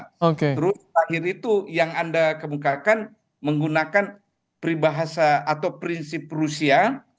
terus akhirnya itu yang anda kemungkakan menggunakan pribahasa atau prinsip rusia